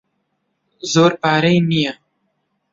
زۆر پارەی نییە.